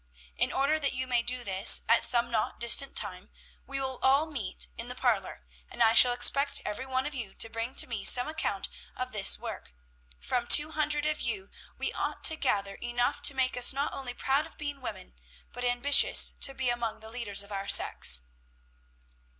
"In order that you may do this, at some not distant time, we will all meet in the parlor, and I shall expect every one of you to bring to me some account of this work. From two hundred of you, we ought to gather enough to make us not only proud of being women, but ambitious to be among the leaders of our sex."